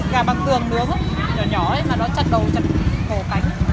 gà bằng tường nướng nhỏ nhỏ ấy mà nó chặt đầu chặt cổ cánh